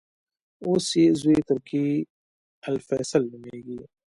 اوس یې زوې ترکي الفیصل نومېږي.